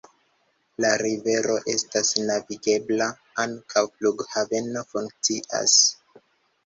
La rivero estas navigebla, ankaŭ flughaveno funkcias.